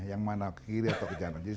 yang mana ke kiri atau ke jalan